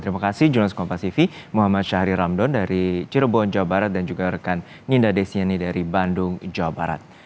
terima kasih jurnalis kompasiv muhammad syahri ramdan dari cirebon jawa barat dan juga rekan ninda desiani dari bandung jawa barat